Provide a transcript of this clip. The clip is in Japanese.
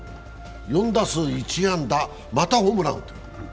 ４打数１安打、またホームラン打ってる。